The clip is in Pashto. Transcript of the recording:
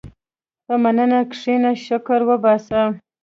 په مننې کښېنه، شکر وباسه.